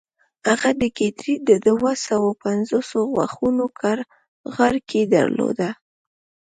هغه د ګیدړې د دوهسوو پنځوسو غاښونو غاړکۍ درلوده.